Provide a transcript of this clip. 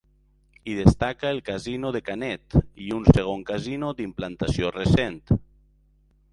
Hi destaca el Casino de Canet, i un segon casino d'implantació recent.